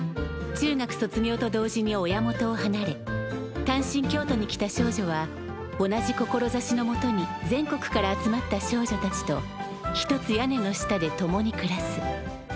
中学卒業と同時に親元をはなれ単身京都に来た少女は同じ志のもとに全国から集まった少女たちと一つ屋根の下で共に暮らす。